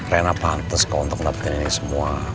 reyna pantes kok untuk dapetin ini semua